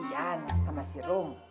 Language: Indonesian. jan sama si rom